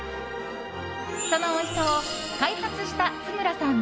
その、おいしさを開発した津村さん